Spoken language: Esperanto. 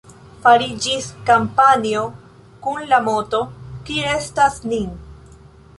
Fariĝis kampanjo kun la moto: «Kie estas Nin?».